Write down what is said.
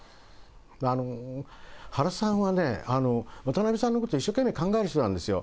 原さんはね、渡辺さんのこと一生懸命考える人なんですよ。